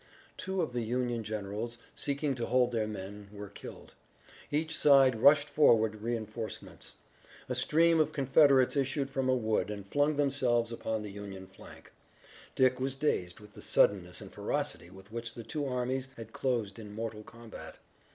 Two of the Union generals seeking to hold their men were killed. Each side rushed forward reinforcements. A stream of Confederates issued from a wood and flung themselves upon the Union flank. Dick was dazed with the suddenness and ferocity with which the two armies had closed in mortal combat.